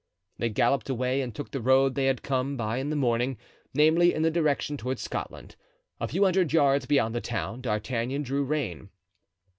They galloped away and took the road they had come by in the morning, namely, in the direction toward Scotland. A few hundred yards beyond the town D'Artagnan drew rein.